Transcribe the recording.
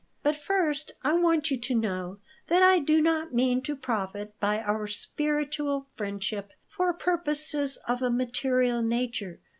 "But first I want you to know that I do not mean to profit by our spiritual friendship for purposes of a material nature.